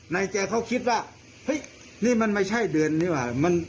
แจเขาคิดว่าเฮ้ยนี่มันไม่ใช่เดือนนี้ว่ะ